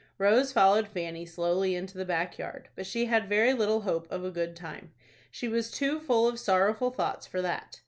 Rose followed Fanny slowly into the back yard; but she had very little hope of a good time. She was too full of sorrowful thoughts for that.